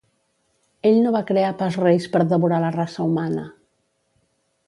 Ell no va crear pas reis per devorar la raça humana.